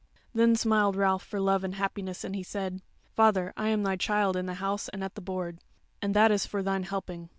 Then smiled Ralph for love and happiness, and he said: "Father, I am thy child in the house and at the board, and that is for thine helping.